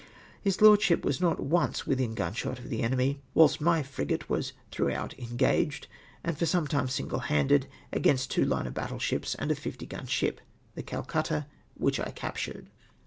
His lordship was not once within gunshot of the enemy, whilst my frigate was throughout engaged, and for some time single handed, against two line of battle ships, and a fifty gun ship, the Ccdcutta, which I captured.